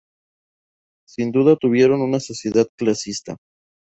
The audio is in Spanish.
Sin duda tuvieron una sociedad clasista.